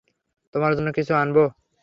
তোমার জন্য কিছু আনবো?